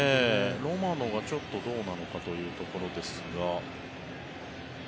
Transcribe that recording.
ロマノがちょっとどうなのかというところですが。